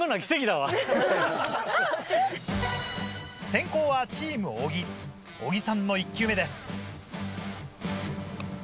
先攻はチーム小木小木さんの１球目です。